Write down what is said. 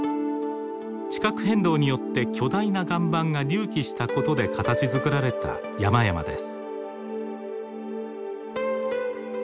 地殻変動によって巨大な岩盤が隆起したことで形づくられた山々です。